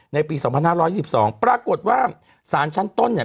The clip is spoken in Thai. ในปีสองพันห้าร้อยสิบสองปรากฏว่าสารชั้นต้นเนี่ย